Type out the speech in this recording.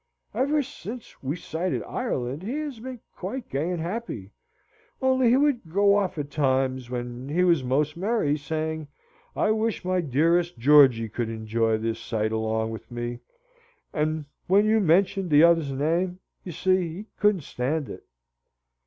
Ever since we sighted Ireland he has been quite gay and happy, only he would go off at times, when he was most merry, saying, 'I wish my dearest Georgy could enjoy this here sight along with me, and when you mentioned the t'other's name, you see, he couldn't stand it.'"